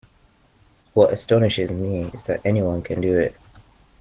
What astonishes me is that anyone can do it.